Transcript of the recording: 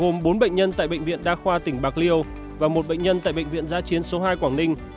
gồm bốn bệnh nhân tại bệnh viện đa khoa tỉnh bạc liêu và một bệnh nhân tại bệnh viện giã chiến số hai quảng ninh